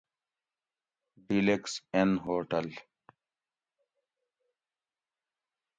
ڈیلکس اِن ہوٹل